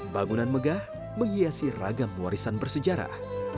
bangunan megah menghiasi ragam warisan bersejarah